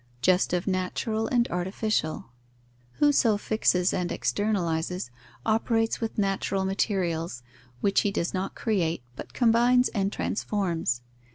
Just of natural and artificial. Whoso fixes and externalizes, operates with natural materials, which he does not create, but combines and transforms.